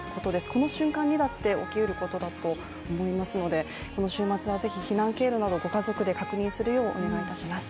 この瞬間にだって起きうることだと思いますのでこの週末はぜひ避難経路などご家族で確認するようお願いします。